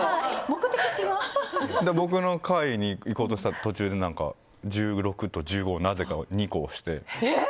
僕の階に行こうとしたら途中で１５と１６をなぜか２回押して。